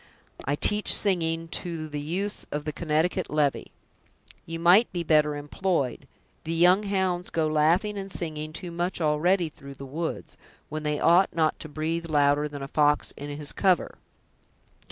"I teach singing to the youths of the Connecticut levy." "You might be better employed. The young hounds go laughing and singing too much already through the woods, when they ought not to breathe louder than a fox in his cover.